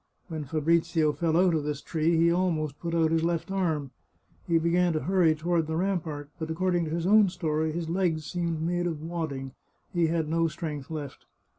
When Fabrizio fell out of this tree he almost put out his left arm. He began to hurry toward the rampart, but according to his own story his legs seemed made of wadding; he had no strength left.